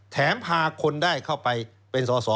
พาคนได้เข้าไปเป็นสอสอ